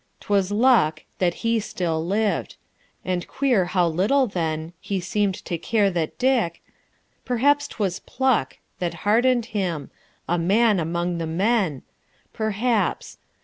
'T was luck That he still lived.... And queer how little then He seemed to care that Dick.... perhaps 't was pluck That hardened him a man among the men Perhaps....